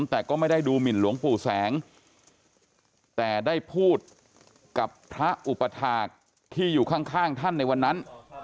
แต่ก็ไม่ได้ดูหมินหลวงปู่แสงแต่ได้พูดกับพระอุปถาคที่อยู่ข้างท่านในวันนั้น